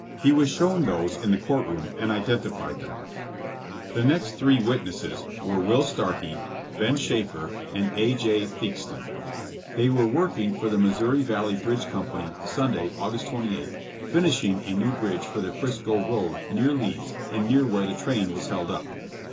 He was shown those in the court room and identified them. THB TRIAI, FOR TRAIN ROBBERY. 167 The next three witnesses were Will Starkey, Ben Shaeffer and A. J. Theakston. They were working for the Missouri Valley Bridge Company Sunday, August 28, finishing a new bridge for the 'Frisco road near Leeds and near where the train was held up.